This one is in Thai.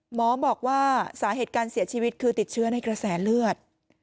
หมอบอกว่าสาเหตุการเสียชีวิตคือติดเชื้อในกระแสเลือด